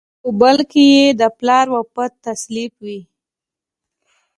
په بل کې یې د پلار وفات تسلیت وي.